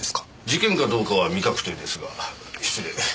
事件かどうかは未確定ですが失礼。